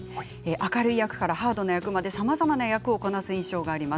明るい役からハードな役までさまざまな役をこなす印象があります。